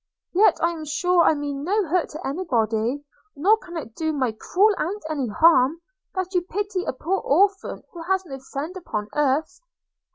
– Yet I am sure I mean no hurt to any body; nor can it do my cruel aunt any harm, that you pity a poor orphan who has no friend upon earth.'